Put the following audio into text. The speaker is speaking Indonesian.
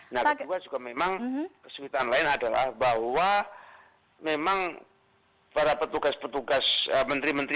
nah kedua juga memang kesulitan lain adalah bahwa memang para petugas petugas menteri menteri